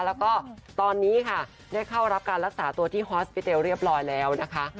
แล้วก็ตอนนี้ค่ะได้เข้ารับการรักษาตัวที่ฮอสปิเตลเรียบร้อยแล้วนะคะ